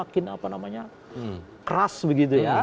keras begitu ya